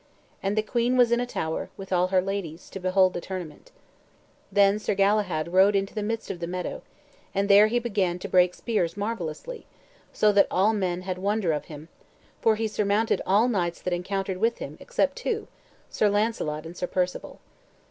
And the queen was in a tower, with all her ladies, to behold that tournament. Then Sir Galahad rode into the midst of the meadow; and there he began to break spears marvellously, so that all men had wonder of him, for he surmounted all knights that encountered with him, except two, Sir Launcelot and Sir Perceval.